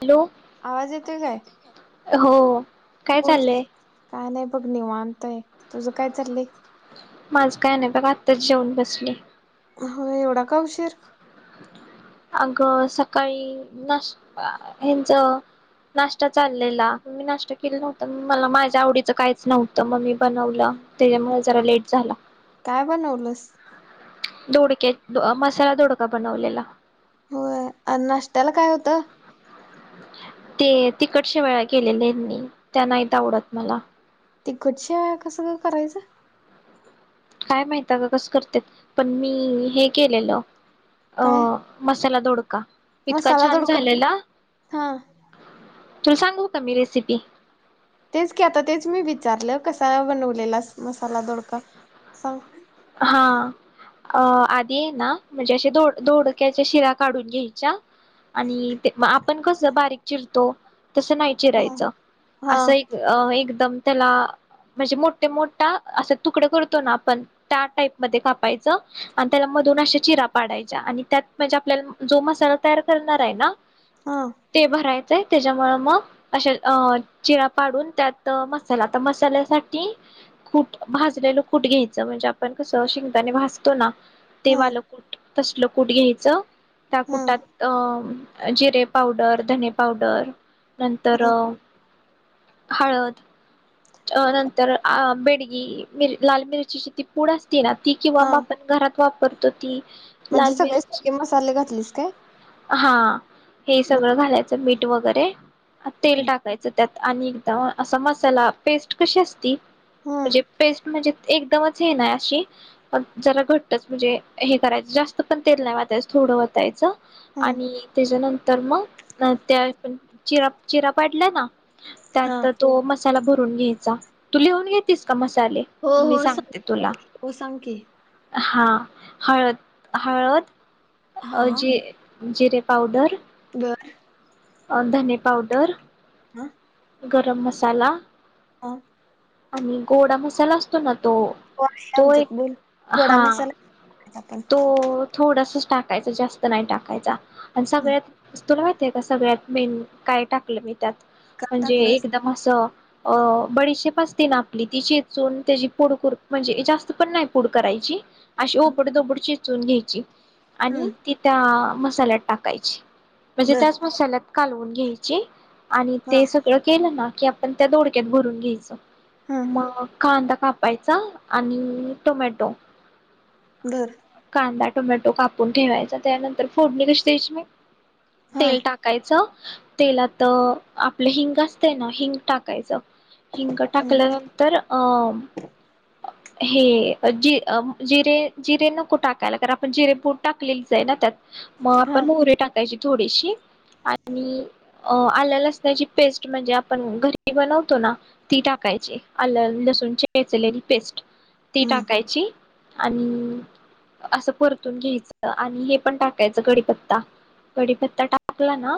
Hello आवाज येतोय काय? हो काय चाललंय. निवांतय तुझं काय चाललंय. माझं काय नाही बघ आत्ताच जेऊन बसले. हो एवढा का उशीर. अग सकाळी नाश हच नाश्ता चाललेला मी नाश्ता केला नव्हता, मला माझ्या आवडीचं काहीच नव्हतं मगी बनवलं त्याच्यामुळे जरा लेट झाला. काय बनवलस. दोडक्या अत दो आ मसाला धोडका बनवलेला. होय अ नाश्त्याला काय होतं. ते तिकट शेवल्या केलेल्या यांनी त्या नाहीत आवडत मला. तिकट शेवया कसं करायचं. काय माहित का कसं करते पण मी हे केलेलं. अ काय मसाला. चला दोड. इतका मसाला छान दोडका झालेला. हा तुला सांगू का मी रेसिपी तेच की आता तेच मी विचारलं कसा बनवलेला मसाला दोडका सांग हा अ आधी आहे ना म्हणजे अशे धोडक्याच्या शिरा काढून घ्यायच्या आणि ते आपण कस बारीक चिरतो तसं नाही हा चिराहायचं हा असं एक अ एकद एकदम त्याला म्हणजे मोठे मोठा असं तुकड करतो ना आपण त्या टाईप म कापायचं आणि त्याला मधून अशा चिरा पाडायच्या आणि त्यात म्हणजे आपल्याला जो मसाला तयार करणार आहे ना हा ते भरायच त्याच्यामु मग आशे अ चिरा पाडून त्यात मसाला आता मसाल्यासाठी कूट भाजलेलं कूट घ्यायचं म्हणजे आपण कस शेंगदाने भाजतो ना ते वालं कूठ तसलं कुठ घ्यायचं. त्या हा कुटात अं जिरे पावडर, धने पावडर नंतर हळद अ नंतर अ बेडगी लाल मिरचीची ति पुडं ना ती किंवा हा मग आपण घरात वापरतो ती म्हणजे लाल सगळे मिरची स मसाले घातलेस काय? हा हे बर. सगळं घालायचं मीठ वगैरे तेल टाकायचं त्यात आणि एकदम अस मसाला पेस्ट कशी असती हा म्हणजे पेस्ट म्हणजे एकदमच हे ना अशी पण जरा घट्टच म्हणजे हे करायचं जास्त पण तेल नाही वतायचं थोडं वतायचं. हा आणि त्याच्यानंतर तर मग त्या चिरा चिरा पाडला ना हा त्यात तो मस्त भरुन घ्यायचा. तू लिहून घेतेस का मसा- -ले हो मी हो सांग हो सांग की हा हळद, हळद, अ हा जी जिरे पावडर. डर. अ धने पावडर, अ. गरम मसाला, ह. आणि गोडा मसाला असतो ना तो आहे तो एक आमच्यात बोल गोडा हां मसाला करायचा आपण तो थोडासा टाकायचा जास्त नाही टाकायचा. आणि हं सगळ्यात तुला माहितेय ते त सगळ्यात मेन काय टाकलं मी. त्यात का म्हणजे टाकलंस एकदम असं अ बडीशेप अस ते ना आपली ती चेचून त्याची पुड कुर म्हणजे जास्त पण नाही पुड करायची अशे हं ओबडधोबड चे चुन घ्यायची हं, आणि तिथ आ मसाल्यात टाकायची. म्हणजे बर त्याच मसाल्यात कालवून घ्यायची आणि हा ते सगळं केलं ना की आपण त्या दोडक्यात भरून घ्यायचं हं म कांदा कापायचा आणि टोमॅटो बर. कांदा टोमॅटो कापून ठेवायचा त्यानंतर फोडणी कशी द्यायची मीही हा तेल टाकायचं तेलात अ आपलं हिंग असतयना हिंग टाकायचं. हं टाकल्यानंतर अ हे अ जि अं जिरे जिरे नको टाकायला कार आपण जिरे पूड टाकलेलीचे ना त्यात. म हा आपण मोहरी टाकायची थोडीशी आणि अ आल्या लसण्याची पेस्ट म्हणजे आपण घरी बनवतो ना ती टाकायची. आल लसूण चेचलेली पेस्ट ती हं टाकायची आणि असं परतून घ्यायच आणि हे पण टाकायचं कडीपत्ता. कडीपत्ता टाकला ना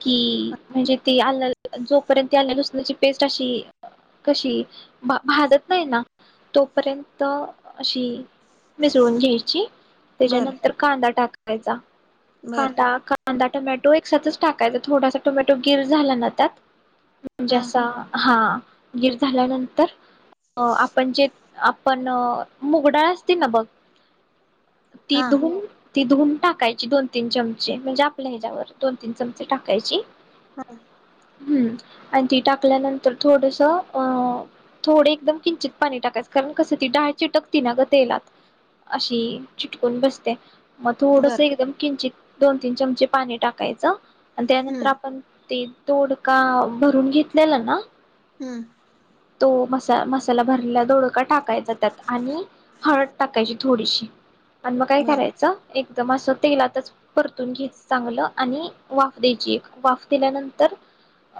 की म्हणजे ते आलल जोपर्यंत ती आलं लसणाची पेस्ट अशी कशी भा भाजत नाही ना तोपर्यंत अशी मिसळून घ्यायची बर त्याच्यानंतर कांदा टाक व्हायचा बर कांदा का कांदा टोमॅटो एकसातच टाकायचा थोडासा टोमॅटो गिर झाला ना त्यात हा जसा हा गीर झाल्यानंतर अ आपण जे आपण मूगडाळ असते ना बघ ती हा धु ती धुऊन टाकायची दोन तीन चमचे म्हणजे आपल्या ह्याच्यावर दोन तीन चमचे टाकायची हा. हम्म आणि ती टाकल्यानंतर थोडस त अह थोडे एकदम किंचित पाणी टाकायचं कारण कसं ती डाळ चिटकती ना ग तेलात अशी चिटकून बसते. मग थोडंस बर एकदम किंचित दोन तीन चमचे पाणी टाकायचं. आणि त्यानंतर हं आपण ती दोडका भरून घेतलेला ना? हम्म. तो मसा मसाला भरल्याला दोडका टाक काय जातात आणि हळद टाकायची थोडीशी. आणि मग काय बर करायचं? एकदम असं तेलातच परतून घ्यायच चांगलं आणि वाफ द्यायची एक. वाफ दिल्यानंतर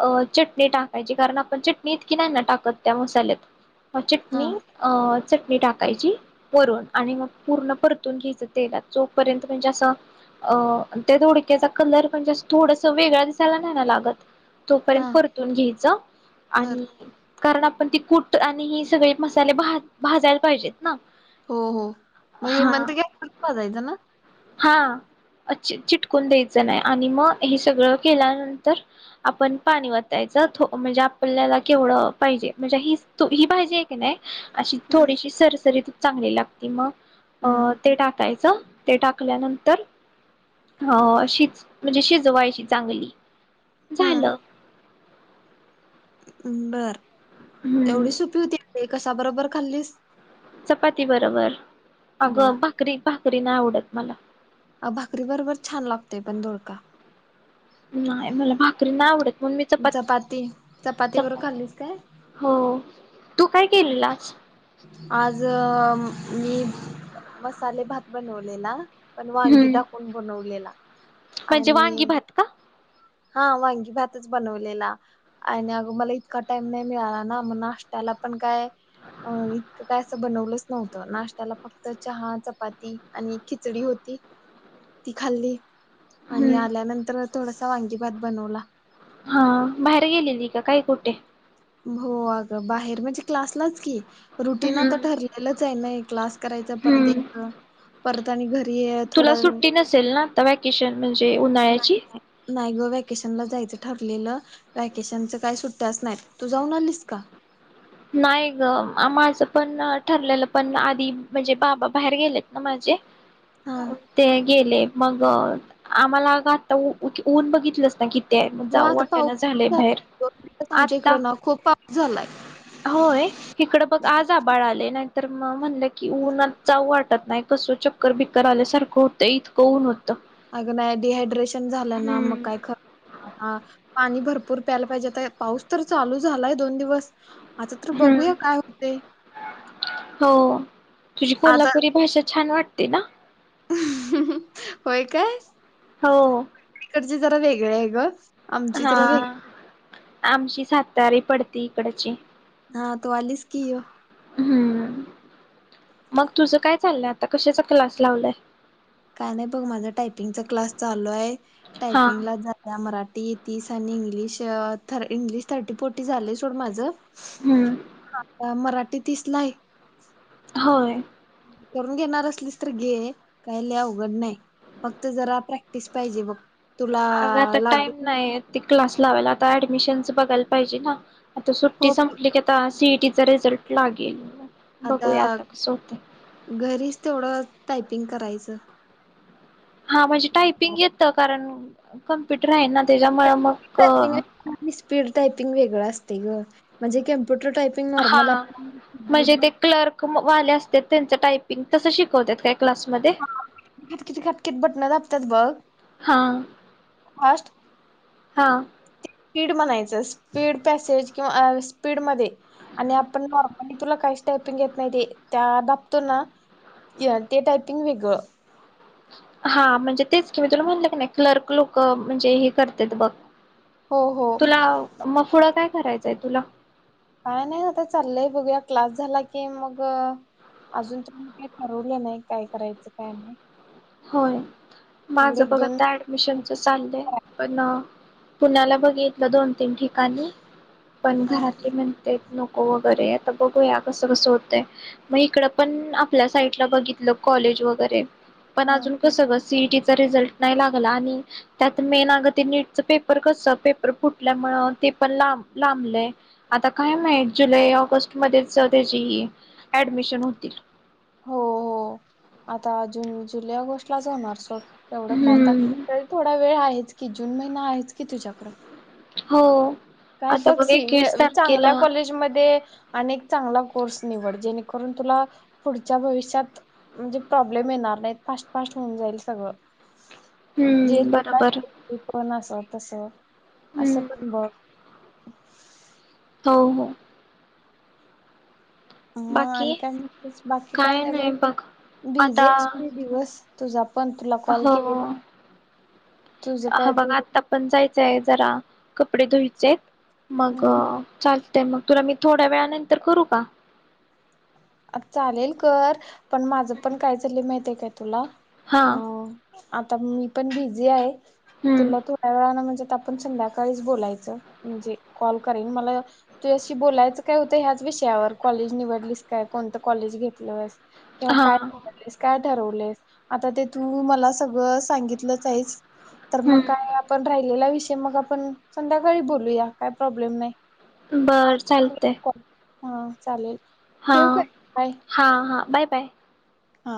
अह चटणी टाकायची कारण आपण चटणी इतकी नाही ना टाक कत त्या मसाल्यात. म हा चटणी अह चटणी टाकायची वरून आणि मग पूर्ण परतून घ्यायचं तेलात जोपर्यंत म्हणजे असं अह त्या दोडक्याचा कलर म्हणजे अस थोडस वेगळा दिसायला नाही ना लागत तोपर्यंत हा परतून घ्यायच बर आणि कारण आपण ती कुट आणि ही सगळे मसाले भा भाजायला पाहिजेत ना हो हो मग हा हे [unintelligible] है ना. हा चि चिटकून द्यायचं नाही आणि मग हे सगळं केल्यानंतर आपण पाणी वतायचं थो म्हणजे आपल्याला केवढं पाहिजे म्हणजे हिच तो ही भाजी हाय की नाय अशी हं थोडीशी सरसरीत चांगली लागती मग हं अह ते टाकायचं [inaudible] ते टाकल्यानंतर अ शी म्हणजे शिजवायची चांगली हं झालं. बर. हम्म एवढी सोपी होती? कसा बरोबर खाल्लीस? चपाती बरोबर. वा अगं भाकरी भाकरी नाही आवडत मला. अ भाकरी बरोबर छान लागतय पण दोडका. नाय मला भाकरी नाय आवडत म्हणून मी चपात चपाती चपाती चपात बरोबर खाल्लीस काय हो. तू काय केलेलास आज मी मसाले भात बनवलेला पण वांगी हम्म टाकून बनवलेला म्हणजे वांगी आणि भात का? हा वांगी भाताच बनवलेला आणि अगं मला इतका टाइम नाही मिळाला ना मग नाष्ट्याला पण काय अ इतं काय असं बनवलंच नव्हतं नाशत्याला फक्त चहा चपाती आणि खिचडी होती ती खाल्ली आणि हम्म. आल्यानंतर थोडसा वांगी भात बनवला हा बाहेर गेलेली का काय कुठे हो अगं बाहेर म्हणजे क्लासलाच की रुटीन आता ठरलेलंच आहे नाय क्लास करायचं हम्म परतयायचं परत आणि घरी तुला थोडा सुट्टी नसेल ना आता व्हॅकेशन नाही नाही ग वॅकेशन ला जाय ठरलेलं वॅकेशन काही सुट्टच नाहीत तू जाऊन आलीस का नाही ग माझं पण ठरलेलं पण आधी म्हणजे बाबा बाहेर गेलेत ना माझे हा ते गेले मग आम्हाला अग आताऊन बघितलंस का कीती हो आता पाऊस झालं [unintelligible] इकड आता ना खूप पाऊस झालाय होय इकडं बघ आज आ बाळ आले नाय तर मग म्हणलं की ऊन जाचाऊ वाटत नाही कसं चक्कर बीक्कर आल्यासारखं होतं इतकं ऊन होत अग नाही डिहायड्रेशन झालं ना मग काय ख हम्म पाणी भर भरपूर प्यायला पाहिजे पाऊस तर चालू झालाय दोन दिवस आता तर ह बघूया काय होते हो तुझी आता कोल्हापुरी भाषा छान वाट ते ना होय काय हो जे जरा वेगळे आहे ग आमची हा तर र आमची सातारी पडते इकडची हा तू आलीस कि हो हम्म मग तुझं काय चाललंय आता कशाचा क्लास लावलाय काय नाही बघ माझा टायपिंगचा क्लास चालू आहे हा. टायपिंग मराठी ती तीस आणि इंग्लिश इंग्लिश थर्टी फोर्टी झालंय सोड माझं हम्म. हा [unintelligible] मराठी तीसलाय होय करून घेणार असलीस तर घे काय लय अवघड नाही फक्त जरा प्रॅक्टिस पाहिजे बघ तुला अग आता टाइम लागत ना नाही ती क्लास लावायला, आता ऍडमिशनच बघाला पाहिजे ना आता सुट्टी हो संपली की आता सिट तिचा रिझल्ट लागील आता घरीच तेवढं ता करायचं हा म्हणजे टायपिंग येत कारण कंप्युटर आहेना त्याच्या मुळ मग टायपिंग ते ग म्हणजे केम हा म्हणजे ते क्लर्क मो वाले असतात त्यांच टायपिंग तसं शिकवत्यात काय क्लासमध्ये हा ककिती [unintelligible] खटकीत बटनं दाबण्यात बघ हा फास्ट हां स्पीड म्हणायचं स्पीड पॅसेज किंवा स्पीडमधेआणि आपण नॉर्मली तुला काहीच टायपिंग येत नाही ते त्या दाबतो ना ते टायपिंग वेगळं हा म्हणजे तेच की मी तुला म्हणलं काी नाही क्लर्क लोक म्हणजे हे करत्यात बघ हो हो तुला मग पुढ काय? काय करायचय तुला काय नाहीता चाललंय बघूया क्लास झाला की मग अजून तर काय ठरवलं नाही काय करायचं काय नाही होय माझ एवढे एक बघ दोन आता ऍडमिशनच चाललंय पण पुण्याला बघितलं दोन तीन ठिकाणी पण हा, घरातली म्हणतेत नको वगैरे आता बघूया कसं कसं होतय मग इकड पण आपल्या साईटला बघितलं कॉलेज वगैरे पण हा. अजून कसग सीईटीचा रिझल्ट नाही लागला आणि त्यात मेन अग नीटच पेपर कस पेपर फुटल्यामुळ ते पण लांबलय आता काय माहित जुलै ऑगस्ट मध्येच त्याची ॲडमीशन होतील हो हो आता जून, जुलै, ऑगस्ट लाच जाणार सोड तेवढं काय आता हम्म तरी थोडा वेळ आहेच कि जून महिना आहेच की तुझ्याकड हो काय आता बघ स एकवीस वे तारखेला चांगल्या कॉलेजमध्ये आणि क चांगला कोर्स निवड जेणेकरून तुला पुढच्या भविष्यात म्हणजे प्रॉब्लेम येणार नाही फास्ट फास्ट होऊन जाईल सगळं जे हम्म तुला बरोबर पण अस तसं असं हम्म पण बघ [inaudible] हो हो मग बाकी आणि काय म्हनलीस बाकी काय नाही बघ बिझी आहेस आता इतकी दिवस तूझा हो तुझं हा काय बघ तू आता पण जायच चय जरा कपडे धुवायचे आहेत मग चाल ते मग तुला मी थोड्या वेळा नंतर करू का? अ चालेल कर पण माझं पण काय झालं माहिती आहे काय? तुला तुला हा आता मी पण बिझी आहे. हम्म तुला थोड्या वेळान म्हणजे आता आपण संध्याकाळीच बोलायच म्हणजे कॉल करीन मला तुझ्याशी बोलायच काय होतय ह्याच विषयावर कॉलेज निवडलीस काय कोणतं कॉलेज घेतलंस? किंव्हा हा काय निवडलीस? ठरवलयस आता ते तू मला सगळं सांगितलंच आहेस. तर मग काय हम्म आपण राहिलेला विषय मग आपण संध्याकाळी बोलूया काय प्रॉब्लेम नाही. बर चालतय हा चालेल हा, ठेवू काय बाय हा, हा बाय बाय. हा.